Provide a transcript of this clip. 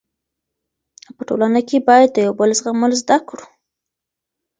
په ټولنه کې باید د یو بل زغمل زده کړو.